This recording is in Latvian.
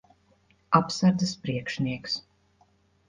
Apsardzes priekšnieks.